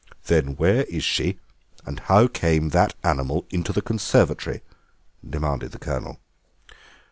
"Then where is she, and how came that animal into the conservatory?" demanded the Colonel.